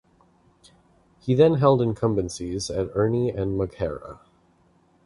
He then held incumbencies at Urney and Maghera.